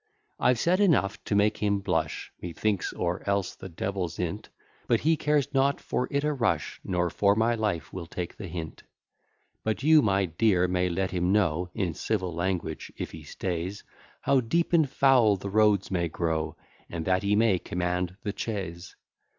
I've said enough to make him blush, Methinks, or else the devil's in't; But he cares not for it a rush, Nor for my life will take the hint. But you, my dear, may let him know, In civil language, if he stays, How deep and foul the roads may grow, And that he may command the chaise.